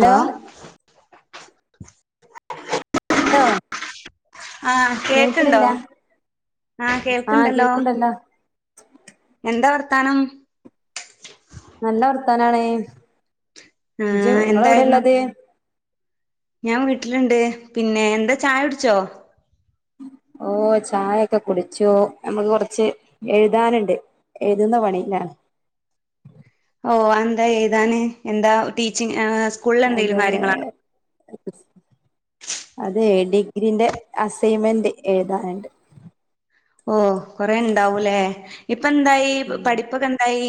Hello [unintelligible] ആഹ് കേക്ക്ണ്ടോ? കേൾക്കണില്ല ആഹ് ആ കേൾക്ക്ണ്ടല്ലോ കേൾക്കണ്ടല്ലോ എന്താ വർത്താനം നല്ല വർത്താനാണേജ ആഹ് നിങ്ങള എവിടെ എന്തായിരുന്നു ഉള്ളത് ഞാൻ വീട്ടിലുണ്ട് പിന്നെ എന്താ ചായ കുടിച്ചോ ഓഹ ചായൊക്കെ കുടിച്ചോ നമ്മുക്ക് കൊറച്ച് എഴുതാനുണ്ട് എഴുതുന്ന പണിയിലാണ് ഓഹ എന്താ ഏതാണ് എന്താ ടീച്ചിങ് സ്കൂളിൽ എന്തെങ്കിലും അതെ കാര്യങ്ങളാണോ അതെ ഡിഗ്രീന്റെ അസൈൻമെന്റ് എഴുതാനുണ്ട് ഓഹ കൊറെ ഉണ്ടാവൂല്ലേ ഇപ്പ എന്തായി പഠിപ്പൊക്കെ എന്തായി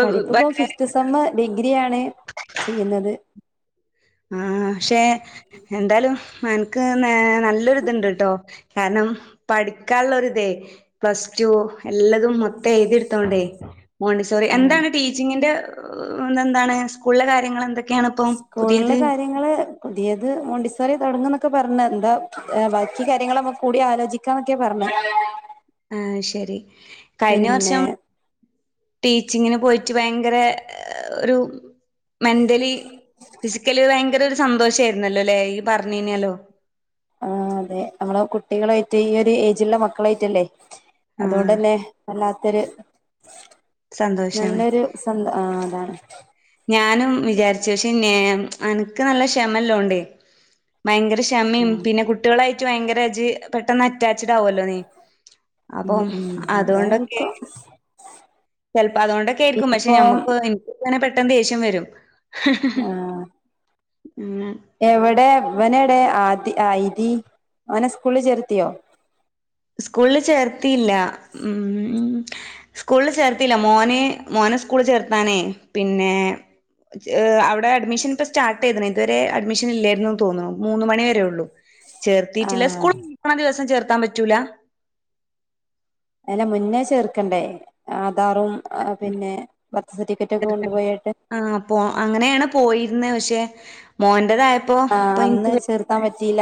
പഠിപ്പ ഇപ്പ ഫിഫ്ത് സെമ്മ ഡിഗ്രി ആണ് ചെയ്യുന്നത് ആഹ പക്ഷെ എന്താലുംനക്ക് നല്ലൊരിതുണ്ട് കേട്ടോ കാരണം പഠിക്കനുള്ള ഒരി ഇതേ പ്ലസ് ടു എല്ലാതും മൊത്തം എഴുതിെടുത്തോണ്ടേ മോണ്ടി സോറി എന്താണ് ടീച്ചിങ്ങിന്റെ ഇത എന്താണ് സ്കൂളിലെ കാര്യങ്ങൾ എന്തൊക്കെയാണ് ഇപ്പ സ്കൂളില് കാര്യങ്ങള് പുതിയത് മോണ്ടിസോറ തടങ്ങ എന്നൊക്കെ പറഞ്ഞ എന്താ ബാക്കി കാര്യങ്ങൾ നമ്മു കൂടി ആലോചിക്ക കിക്കാന്നൊക്കെയാ പറഞ്ഞേ ആഹ് ശരി കഴിഞ്ഞ വർഷം ടീച്ചിങ്ങിന് പോയിട്ട് ഭയങ്കര ഒരു. മെന്റലി ഫിസിക്കലി ഭയങ്കര ഒരു സന്തോഷ ആയിരുന്നല്ലോ അല്ലേ ഈ പറഞ്ഞീനല്ലോ ആഹ അതെ നമ്മള് കുട്ടികളായിട്ട് ഈ ഒരു ഏജിലുള്ള മക്കളായിട്ടല്ലേ ആഹ് അതുകൊണ്ടന്നെ വല്ലാത്തൊരു സന്തോഷാണ് നല്ലൊരു സന്ത ആഹ അതാണ് ഞാനും വിചാരിച്ചു പക്ഷെ അനക്ക് നല്ല ക്ഷമല്ലോണ്ടേ ഭയങ്കര ക്ഷമയും പിന്നെ കുട്ടികളായിട്ട് ഭയങ്കര ഇജ് പെട്ടെന്ന് അറ്റാച്ചഡ് ആവല്ലോ നീ ഉം അപ്പ ഉം അതുകൊണ്ടൊക്കെ അതായിരിക്കും ചിലപ്പോ അതുകൊണ്ടൊക്കെ ആയിരിക്കും പക്ഷെ ഇപ്പൊ നമ്മക്ക് എനിക്ക് തനെ പെട്ടെന്ന് ദേഷ്യം വരും. ആഹ് ഉം എവിടെ അവനടെ ആതി ആയ്തി അവനെ സ്കൂളിൽ ചേർത്തിയോ. സ്കൂളിൽ ചേർത്തിയില്ല ഉം സ്കൂളിൽ ചേർത്തില്ല മോന് മോനെ സ്കൂളിൽ ചേർത്താനേ പിന്നെ അവിടെ അഡ്മിഷൻ ഇപ്പ സ്റ്റർട്ട് ചെയ്തത് ഇതുവരെ അഡ്മിഷൻ ഇല്ലായിരുന്നു തോന്നുന്നു മൂന്ന് മണി വരെ ഉള്ളൂ. ചേർത്തിട്ടില്ല ആഹ് സ്കൂൾക്കണ ദിവസം ചേർത്താൻ പറ്റൂല അല്ല മുന്നേ ചേർക്കണ്ടേ ആധാറും അതെന്നെ ബർത്ത് സർട്ടിഫിക്കറ്റ് ഒക്കെ കൊണ്ടുപോയിട്ട് ആഹ അപ്പോ അങ്ങനെയാണ് പോയിരുന്ന പക്ഷെ മോന്റേതായ ആഹ് അന്ന് ചേർത്താൻ പറ്റിയില്ല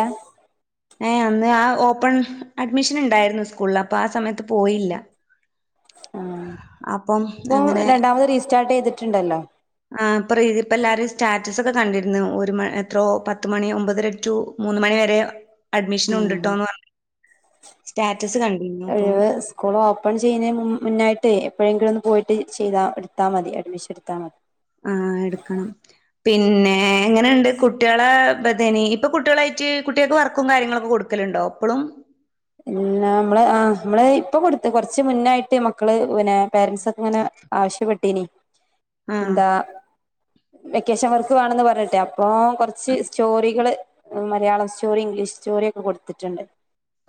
ഏഹ അന്ന് ആഹ ഓപ്പൺ അഡ്മിഷൻ ഉണ്ടായിരുന്നു സ്കൂളിൽ അപ്പൊ ആഹ സമയത്ത് പോയില്ല. ആഹ അപ്പം ഇപ്പം അങ്ങനെ രണ്ടാമത് റീസ്റ്റാർട്ട് ചെയ്തിട്ടുണ്ടല്ലോ. ആഹ ഇപ്പൊ രീതി ഇപ്പ എല്ലാരും സ്റ്റാറ്റസ് ഒക്കെ കണ്ടിരുന്നു ഒരു മി എത്രോ പത്ത് മണി ഒമ്പതര റ്റു മൂന്ന മണി വരെ അഡ്മിഷൻ ഉം ഉണ്ടിട്ടോന്ന് പറഞ്ഞ സ്റ്റാറ്റസ് കണ്ട്. ഴിവ് സ്കൂളോ ഓപ്പൺ ചെയ്യുന്നതിന് മുന്നായിട്ട് എപ്പോഴെങ്കിലും ഒന്ന് പോയിട്ട് ചെയ്താ എടുത്താൽ മതി അഡ്മിഷൻ എടുത്താൽ മതി ആഹ എടുക്കണം പിന്നെ എങ്ങനെയുണ്ട് കുട്ടികളെ തേനി ഇപ്പൊ കുട്ടികളായിട്ട് കുട്ടികൾക്ക് വർക്കും കാര്യങ്ങളൊക്കെ കൊടുക്കു കേലുണ്ടോ ഇപ്പളും എല്ല നമ്മള് ആ നമ്മള് ഇപ്പൊ കൊടുത്ത് കൊറച്ച് മുന്നായിട്ട് മക്കള് പിന്നെ പേരൻറ്സ് ഒക്കെ ഇങ്ങനെ ആവശ്യപ്പെട്ടീന ആ എന്താ വെക്കേഷൻ വർക്ക് വേണന്ന് പറഞ്ഞിട്ടെ അപ്പൊ കൊറച്ച് സ്റ്റോറികള് മലയാളം സ്റ്റോറി ഇംഗ്ലീഷ് സ്റ്റോറി ഒക്കെ കൊടുത്തിട്ടുണ്ട്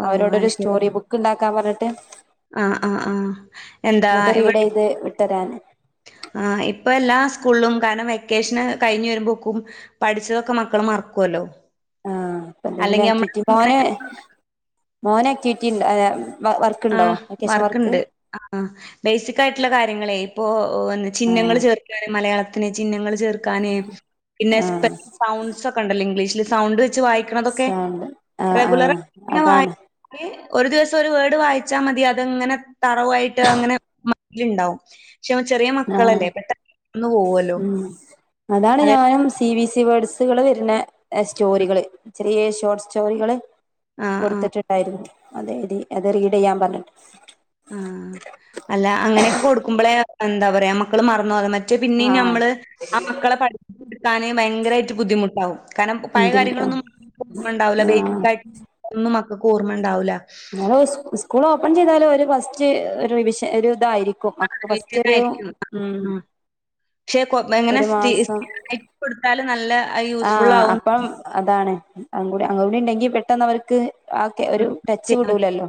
ഓ അവരോടൊരു സ്റ്റോറി ബുക്ക് ഉണ്ടാക്കാൻ പറഞ്ഞിട്ട്. ആ ആഹ് ആഹ് എന്താ എന്നിട്ട് റീഡ് ഇവിടെ ചെയ്ത് വിട്ടരാൻ ഇപ്പൾ എല്ലാ സ്കൂളിലും കാരണം വെക്കേഷന് കഴിഞ്ഞഞ് വരുമ്പോക്കും പഠിച്ചതൊക്കെ മക്കള് മറക്കോല്ലോ ആഹ അപ്പ എന്തെങ്കിലും ആക്ടിവിറ്റി മോന് മോന് ആക്ടിവിറ്റി ഉണ്ട് അഹ് വർക്കുണ്ടോ ആഹ് വെക്കേഷൻ വർക്ക്. വർക്ക്ണ്ട് ആഹ് ബേസികായിട്ടുള്ള കര്യങ്ങളെ ഇപ്പോ ആ ചിഹ്നങ്ങൾ ചെർത്ത് മലയാളത്തിന് ചിഹ്നങ്ങൾ ചേർക്കാൻ പിന്നെ ആഹ് സൗണ്ട്സ് ഒക്കെ ഉണ്ടല്ലോ ഇംഗ്ലീഷ സൗണ്ട് വെച്ച് വായി കിറതൊകെ സൗണ്ട് ആഹ് ആഹ് അതാണ് [unintelligible] ഒരു ദിവസം ഒരു വേഡ് വാ വച്ചാ മതി അത്ങ്ങനെ തറവായിട്ട് അങ്ങനെ മ ഉണ്ടാവും. പക്ഷെ ചെറിയ ആഹ് മക്കളല്ലേ പെട്ടെന്ന് മറന്നു പോവല്ലോ ഉം അതാണ് അതെ ഞാനും സി ബി സി പഠിച്ച കൾ വരുന്ന സ്റ്റോറികള് ചെറിയ ഷോർട്ട് സ്റ്റോറികൾ ആഹ് ആഹ് കൊടുത്തിട്ട ആയിരുന്നു അതെ അത് റീഡ് ചെയ്യാൻ പറഞ്ഞിട്ട്. ആഹ അല്ല അങ്ങനെയൊക്കെ കൊടുക്കുമ്പോളേ എന്താ പറയാ മക്കള് മറന്നോ അതെ മറ്റ. പിന്നെയ ആഹ് നമ്മള് ആ മക്കളെ പഠ ഉട്ക്കാനേ ഭയങ്കരായിറ്റ് ബുദ്ധിമുട്ടാവും കാരണം പഴയ ബുദ്ധിമുട്ടാ കാര്യങ്ങളൊന്നും ഓർമ്മണ്ടാവൂല ആഹ് ബേസിക്കായിട്ട് ഒന്നും മക്കക്ക് ഓർമ്മണ്ടാവൂല ഇന്നാലും സ്കൂൾ ഓപ്പൺ ചെയ്താല് ഓര് ഫസ്റ്റ് റിവിഷൻ ഒരു ഇതായിരിക്കും മ ഫസ്‌റ്റൊരു ഉം ക്ഷേ കൊ എങ്ങനെ ഒരു സ്റ്റി മാസം കൊടുത്താലും നല്ല യൂസ്ഫുൾ ആഹ് ആവും അപ്പം അതാണ് അതുംകൂടി അതുംകൂടിണ്ടെങ്കി പെട്ടെന്നവര്ക്ക് ആ കേ ഒരു ടച്ച് വിടൂലല്ലോ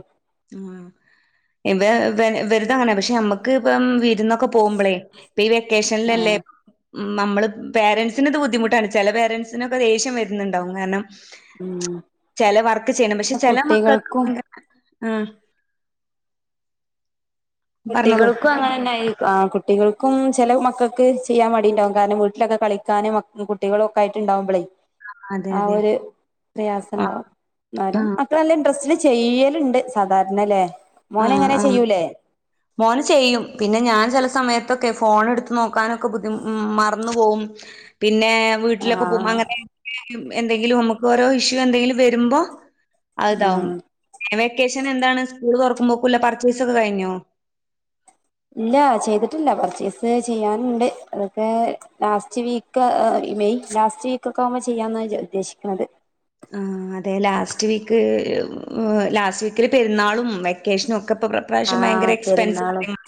ആഹ് ഇവേ വേ ഇവര്താണ് പക്ഷെ അമ്മക്ക് ഇപ്പം വിര്ന്നൊ ക്കൊ പോവുമ്പളേ പ്പെ ഈ വെക്കേഷനിലല്ലേ ആഹ് ഉം നമ്മള് പേരൻസിനിത് ബുദ്ധിമുട്ടാണ് ചെല പേരൻറ്സിനൊക്കെ ദേഷ്യം വര്ന്ന്ണ്ടാവും കാരണം ഉം ചെല വർക്ക് ചെയ്യണം പക്ഷെ ചെല മക്കക്ക് കുട്ടികൾക്കും [unintelligible] ആഹ് പറഞ്ഞോളൂ. കുട്ടികൾക്കും അങ്ങനായിരിക്കും ആഹ്‌ കു ട്ടികൾക്കും ചെല മക്കക്ക് ചെയ്യാൻ മടിണ്ടാവും കാരണം വീട്ടിലൊക്കെ കളിക്കാന് മ കുട്ടികളും ഒക്കെ ആയിട്ട്ണ്ടാവുമ്പളേ അതെ ആ അതെ ഒര് ആഹ് പ്രയാസണ്ടാവും ന്നാലും മക്കള് നല്ല ഇൻഡ്രസ്റ്റില് ചെയ്യല്ണ്ട് സാധാരണലേ ആഹ് മോനെങ്ങനേ ആഹ് ചെയ്യൂലേ മോന് ചെയ്യും പിന്നെ ഞാൻ ചെല സമയത്തൊക്കെ ഫോണ് ട്ത്ത് നോക്കാനൊക്കെ ബുദ്ധി മറന്നു പോവും പിന്നേ വീട്ടിലൊക്കെ പോവുമ്പോ ആഹ് അങ്ങനത്തെ എന്തെങ്കിലും അമുക്ക് ഓരോ ഇഷ്യൂ എന്തെങ്കിലും വരുമ്പോ അത് താവും ആഹ് വെക്കേഷന് എന്താണ് സ്കൂള് തൊറക്കുമ്പോക്ക്ല്ല പർച്ചേസൊക്കെ കഴിഞ്ഞോ ഇല്ലാ ചെയ്തിട്ടില്ല പർച്ചേസ് ചിയ്യാനുണ്ട് അതൊക്കേ ലാസ്റ്റ് വീ ക്കാ ഈ മെയ് ലാസ്റ്റ് വീക്കൊക്കെ ആവുമ്പോ ചിയ്യാന്നാ വി ഉദ്ദേശിക്ക്ണത് ആഹ് അതെ ലാസ്റ്റ് വീക്ക് ലാസ്റ്റ് വീക്കില് പെര്ന്നാളും വെക്കേഷനും ഒക്കെ ഇപ്പോ ഇപ്രാവശ്യം ഭയങ്കര എക്സ്പെൻസ് ആയിരുന്നു [unintelligible]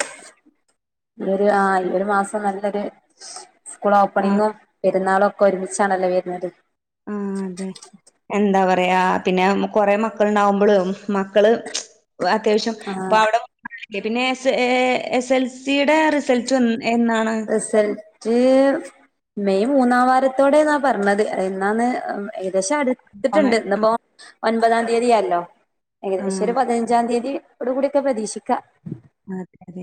ഇത് ആഹ്‌ ഒരു മാസം നല്ലൊരു സ്കൂൾ ആഹ് ഓപ്പണിങ്ങും പെരുന്നാളൊ ഒക്കൊരുമിച്ചാണല്ലോ വര്ന്നത് ആഹ് അതെ എന്താ പറയാ പിന്നേ കൊറേ മക്കള്ണ്ടാവുമ്പളും മക്കള് വ അത്യാവശ്യം ആ ഇപ്പൊ അവ്ടം പിന്നെ എസ് ഏ എസ്എൽസിടെ റിസൾട്ട് എൻ എന്നാണ് റിസൾറ്റ് മെയ് മൂന്നാം വാരത്തോടേന്നാ പറ്ഞ്ഞത് എന്നാന്ന് ഏകദേശം ആഹ് അട്ത്ത്ട്ട്ണ്ട് ഇന്ന്പ്പോ ഒൻപതാം തീയതിയാല്ലോ ഏകദേശം ഒര് ആഹ് പതിനഞ്ചാം തീയ്യതിയോട് കൂട്യേക്കെ പ്രതീക്ഷിക്ക അതെ അതെ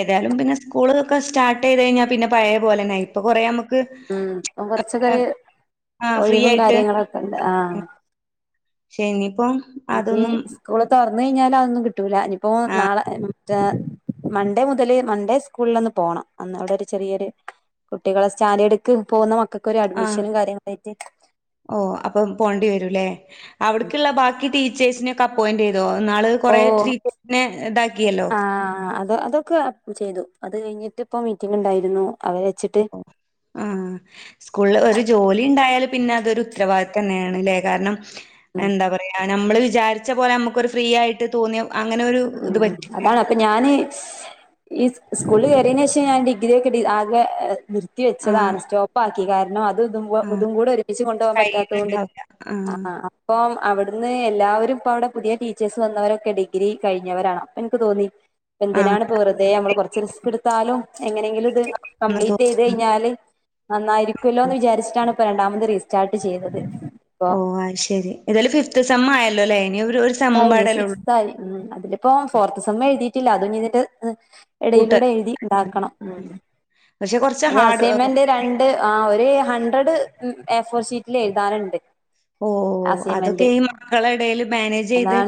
ഏതായാലും പിന്നെ സ്കൂള് ഒക്കെ സ്റ്റാർട്ടേയ്ത് കഴിഞ്ഞാ പിന്നെ പഴയ പോലെന്നായി ഇപ്പൊ കൊറേ അമ്മക്ക് ഉം ഇപ്പം കുറച്ചൊക്കെ ഒരു [unintelligible] ഒഴിവും കാര്യങ്ങളൊക്കെണ്ട് ആഹ് ക്ഷേ ഇനിപ്പം ഇഞ്ഞ് സ്കൂള് തൊറന്ന് കയിഞ്ഞാലതൊന്നും കിട്ടൂല ഇഞ്ഞ്പ്പോ ആഹ് നാളെ ഏ ഉം [unintelligible] മൺഡേ മുതല് മൺഡേ സ്കൂള് ഇള്ളന്ന് പോണം അന്ന് അവ്ടൊര് ചെറിയൊര് കുട്ടികളെ സ്റ്റാൻഡേട്ക്ക് പോവുന്ന മക്കക്കൊര് അഡ്മിഷനും കാര്യങ്ങളായിറ്റ് ഓഹ് അപ്പം പോണ്ടി വരുംലേ അവ്ട്ക്ക്ള്ള ബാക്കി ടീച്ചേഴ്സിനൊക്കെ അപ്പോയിന്റയ് തോ ഇന്നാള് ഓ കൊറേ ടീച്ചറിനെ ഇതാക്കിയല്ലോ ആഹ് അത് അതൊക്കെ ചെയ്തു അത് കയിഞ്ഞിട്ട്പ്പൊ മീറ്റിംഗ്ണ്ടായിരുന്നു അവരെ വെച്ചിട്ട് ആഹ് സ്കൂളില് ഒരു ജോലിണ്ടായാല് പിന്നെ അതൊരു ഉത്തരവാദിത്യന്നേണ്‌ ലേ കാരണം ഉം എന്താ പറയാ നമ്മള് വിചാരിച്ച പോലെ ഞമ്മക്കൊരു ഫ്രീ ആയിട്ട് തോന്നിയ അങ്ങനെ ഒരു ഇത് ഉം പറ്റില്ല. അതാണ് പ്പം ഞാന് ഈ സ് സ്കൂളില് കേറിയേനേഷം ഞാൻ ഡിഗ്രിയൊക്കെ ഡി ആകെ നിർ ത്തി ആഹ് വെച്ചതാണ് സ്റ്റോപ്പാക്കി കാരണം അ തും ഇതും കൂ ആഹ് ഇതും കൂടെ ഒരുമിച്ച് കൊണ്ടോവ്വാൻ പറ്റാത്തോണ്ട് ആഹ് ഇപ്പം അവിട്ന്ന് എല്ലാവരും ഇപ്പവിടെ പുതിയ ടീച്ചേഴ്സ് വന്നവരൊക്കെ ഡിഗ്രി കഴിഞ്ഞവരാണ് അപ്പൊ ഇൻക്ക് തോന്നി ആഹ് എന്തിനാണ്പ്പം വെറ്തെ നമ്മള് കൊറച്ച് റിസ്ക്ക്ട്ത്താലും എങ്ങനെയെങ്കിലും ഇത് എന്നാ തോ കംപ്ലീറ്റെയ് ത് ആഹ് കഴിഞ്ഞാല് നന്നായിരിക്കല്ലോന്ന് ആഹ് വിചാരിച്ചിട്ടാണ് ഇപ്പൊ രണ്ടാമത് റീസ്റ്റാർട്ട് ചെയ്തത് ഇപ്പൊ ഓഹ് അത് ശെരി ഏതായാലും ഫിഫ്ത്ത് സമ്മായല്ലോലേ ഇനിയൊര് സമ്മും സിക്സ്തായി ഇനി പാടല്ലോ സിക്സ്തായി ഉം അതിലിപ്പം ഫോർത്ത് സമ്മ് എഴ്തിയിട്ടില്ല അതും ഇഞ്ഞ്തിന്റെ കൂട്ട എടെയിലൂടെ എഴ്തി ഇണ്ടാക്കണം ഉം പക്ഷെ കൊറച്ച് അത് ഹാർഡ് അസൈൻമെന്റ് രണ്ട് ണ്ട് ആഹ് ഒര് ഹൺണ്ട്രഡ് എ ഫോർ ഷീറ്റില് എഴ്താന്ണ്ട്. ഓഹ് അതൊക്കെ ഈ മക്കളെ എടേല് മാനേജെയ്ത്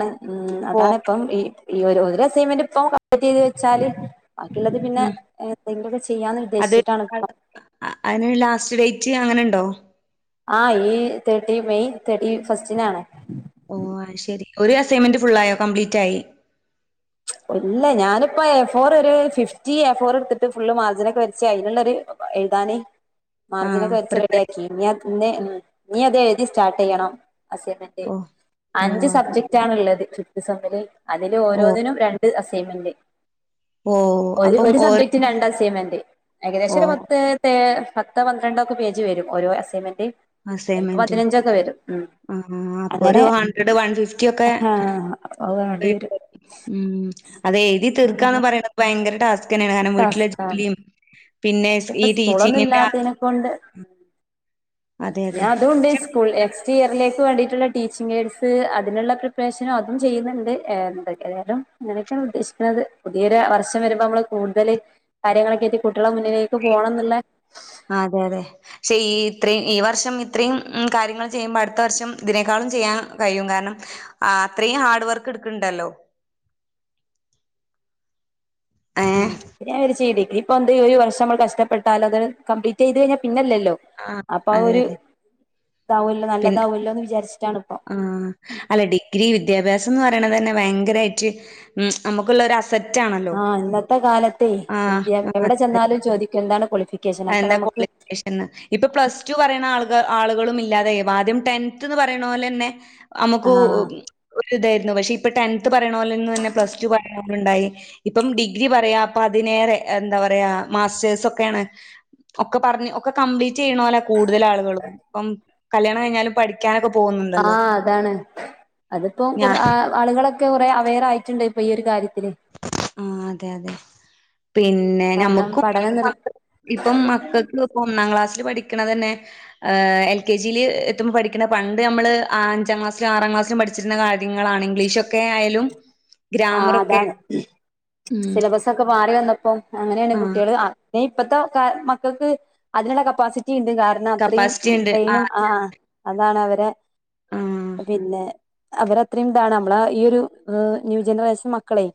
പോ കും ഈ ഒര് അസൈൻമെന്റ് ഇപ്പം കംപ്ലീറ്റെയ്ത് വെച്ചാല് ബാക്കിള്ളത് പിന്നെ എന്തെങ്കിലൊക്കെ ചെയ്യാന്ന് ഉദ്ദേശിച്ചിട്ടാണ്പ്പം അയിന് ലാസ്റ്റ് ഡേറ്റ് അങ്ങനെണ്ടോ? ആഹ് ഈ തേർട്ടി മെയ് തേർട്ടി ഫസ്റ്റിനാണ്. ഓഹ് അത് ശരി ഒരു അസൈൻമെന്റ് ഫുള്ളായോ കംപ്ലീറ്റായി. ഇല്ല ഞാനിപ്പ എഫോറ് ഒരു ഫിഫ്റ്റി എഫോറെട്ത്ത്ട്ട് ഫുള്ള് മാർജിനോക്കെ വരച്ച് അയിന്ള്ളൊര് എഴ്താന് ആഹ് മാർജിനൊക്കെ വെച്ച് പ്രിപ്പറേ റെഡിയാക്കി ഇഞ്ഞ ഇഞ്ഞ് ഉം ഇഞ്ഞത് എഴ്തി സ്റ്റാർട്ടെയ്യണം അസൈൻമെ റ്റ് ഓഹ് ഓഹ് അഞ്ച് അത് സബ്ജക്റ്റാണ്ള്ളത് ഫിഫ്ത്ത്സമ്മില് അതില് ഓഹ് ഓരോന്നിനും രണ്ട് അസൈന്മെന്റ് ഓഹ് ഒര് അപ്പം ഒര് ഓരോ സബ്ജക്ടിന് രണ്ട് അസൈന്മെന്റ് ഏകദേശം ഒരു ഓഹ് പത്ത് ത്ത് പത്ത് പന്ത്രണ്ടൊക്കെ പേജ് വെരും ഓരോ അസൈൻമെന്റ്. ചിലപ്പൊ പതിനഞ്ചൊക്കെ വരും ഉം. ഉം അപ്പൊ ഒരു അങ്ങനെ ഹൺഡ്രഡ് വൺ ഫിഫ്റ്റി ഒക്കെ ആഹ് അത് വേണ്ടി ബ്രേക്ക് വരും - ഉം അതെ എഴുതി തീർക്കാന്ന് പറയണത് ഭയങ്കര ടാസ് ക്കാണ് കാരണം വീട്ടിലെ ടാസ്കാണ് ജോലിയും പിന്നെ ഈ ടീച്ചിങ്ങിന്റെ ഇപ്പൊണ്ട് അതെ പിന്ന അതെ. അതൊണ്ട് സ്കൂൾ പക്ഷെ നെക്സ്റ്റ് ഇയറിലേക്ക് വേണ്ടിയിട്ടുള്ള ടീച്ചിങ് എയ്ഡ്സ് അതിനുള്ള പ്രിപ്പറേഷനോ അതും ചെയ്യുന്നുണ്ട്. ഏതായാലും ഇങ്ങനൊക്കെയാണ് ഉദ്ദേശിക്കുന്നത്. പുതിയൊരു വർഷം വരുമ്പോ നമ്മള് കൂടുതല്- കാര്യങ്ങളൊക്കെ എത്തി കുട്ടികളെ മുന്നിലേക്ക് പോകണംന്നുള്ള- ആഹ് അതെ അതെ ചെയ്യും ഇത്ര ഈ വർഷം ഇത്രയും കാര്യങ്ങൾ ചെയ്യുമ്പോൾ അടുത്ത വർഷം ഇതിനേക്കാളും ചെയ്യാൻ കഴിയും കാരണം ആ അത്രയും ഹാർഡ് വർക്ക് എടുക്കുണ്ടല്ലോ ഉം ഏഹ് പിന്നെഞാൻ പഠിച്ച ഡിഗ്രി ഇപ്പൊ എന്ത ഈ ഒരു വർഷം നമ്മൾ കഷ്ടപെട്ടാലത് കംപ്ലീറ്റ് ചെയ്ത് കഴിഞ്ഞാ പിന്നല്ലല്ലോ അപ്പൊ ആ അതെ ഒരു അതെ ഇതാവല്ലോ പിന്നെ നല്ലതാവല്ലോന്ന് വിചാരിച്ചിട്ടാണ് ഇപ്പം ആഹ് അല്ല ഡിഗ്രി വിദ്യാഭ്യാസംന്ന് പറയണ തന്നെ ഭയങ്കരമായിട്ട് ഉം അമുക്കുള്ളൊരു അസ ആഹ് ഇന്നത്തെ കാലത്ത് ആഹ് വിദ്യ എവിടെ ചെന്നാലും ചോദിക്കും എന്താണ് കോളിഫി ആ എന്താ കോളിഫിക്കേഷൻ- ന്ന് ഇപ്പൊ പ്ലസ് ടു പറയുന്ന ആൾ ആളുകളും ഇല്ലാതായി ആദ്യം ടെൻത് എന്ന് പറയുന്ന പോലെ തന്നെ നമുക്ക് ആഹ് ഒരു ഇതായിരുന്നു പക്ഷെ ഇപ്പൊ ടെൻത്ത് പറയണ പോലെന്ന് തന്നെ പ്ലസ് ടു പറയണലുണ്ടായി ഇപ്പം ഡിഗ്രി പറയാ അപ്പ അതിനേറെ എന്താ പറയാ മാസ്റ്റേഴ്സ് ഒക്കെയാണ് ഒക്കെ പറഞ്ഞ് ഒക്കെ കംപ്ലീറ്റ് ചെയ്യണൊല കൂടുതൽ ആളുകളും. ഇപ്പം കല്യാണം കഴിഞ്ഞാലും പഠിക്ക ക്കാനൊക്കെ പോകുന്നത് ആഹ് അതാണ്. അതിപ്പോ ഞാ കുറെ ആളുകളൊക്കെ കുറെ അവയർ ആയിട്ടുണ്ട് ഇപ്പൊ ഈ ഒരു കാര്യത്തില്. ആഹ് അതെ അതെ പിന്നെ കാരണം ഞമ്മുക്ക്- പഠനം നിർ ഇപ്പം മക്കക്കിപ്പം ഒന്നാം ക്ലാസ്സില് പഠിക്കണ തന്നെ എൽകെജിയില് എത്ത്മ്പം പഠിക്കണ പണ്ട് നമ്മള് അഞ്ചാം ക്ലാസിലും ആറാം ക്ലാസിലും പഠി ച്ചിരുന്നകാര്യങ്ങളാണ് ഇംഗ്ലീഷൊക്കെ ആയാലും- ആഹ് ഗ്രാമറൊക്കെ അതാണ് ഉം സിലബസൊക്കെ മാറി വന്നപ്പോ അങ്ങനെയാണ് ആഹ് കുട്ടികള് ദേ ഇപ്പത്തെ ക മക്കൾക്ക് അതിനുള്ള കപ്പാസിറ്റിണ്ട് കാര.. അത്രയും കപ്പാസിറ്റി ഉണ്ട് ബ്രെയിനും ആഹ് ആ അതാണ് അവരെ ആഹ് പിന്നെ.. അവരത്രയും ഇതാണ് നമ്മളെ ഈ ഒരു ന്യൂ ജനറേഷൻ മക്കളെ,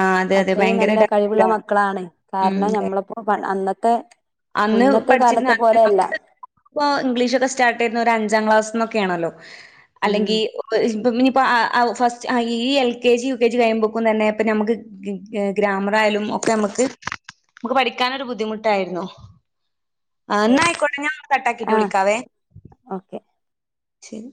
ആഹ് അതെ അതെ അത്രയും ഭയങ്കര നല്ല കഴിവുള്ള ഡെപ്താണ് മക്കളാണ് ഉം കാരണം ഞമ്മളപ്പോ അന്നത്തെ.. അന്ന് മുന്നത്തെ പഠിച്ചിരുന്ന കാലത്തെ അന്ന് പോലെയല്ല. നമ്മള് ഇപ്പൊ ഇംഗ്ലീഷൊക്കെ സ്റ്റാർട്ട് ചെയ്യുന്ന ഒരു അഞ്ചാം ക്ലാസീന്നൊക്കെയാണല്ലോ ഉം അല്ലെങ്കി.. ഇനിയിപ്പൊ അ ഔ ഫസ്റ്റ് ഈ L K G U K G കഴിയുമ്പോക്കും തന്നെ ഇപ്പ നമുക്ക്.. ഗ് ഗ്രാമറായാലും ഒക്കെ നമുക്ക് നമുക്ക് പഠിക്കാനൊരു ബുദ്ധിമുട്ടായിരുന്നു. ആ എന്നാ യെസ് ആയിക്കോട്ടെഞൻ കട്ടാക്കിയിട്ട് ആഹ് വിളിക്കാവേ, ഓക്കെ ശരി